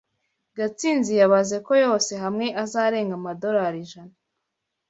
gatsinzi yabaze ko yose hamwe azarenga amadorari ijana.